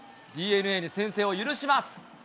ＤｅＮＡに先制を許します。